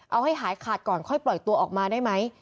เอาให้หายขาดก่อนค่อยปล่อยตัวออกมาได้ไหม